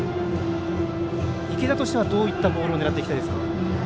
池田としてはどういったボールを狙っていきたいですか。